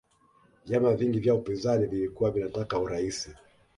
vyama vingi vya upinzani vilikuwa vinataka uraisi